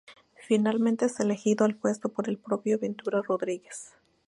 Finalmente es elegido al puesto por el propio Ventura Rodriguez.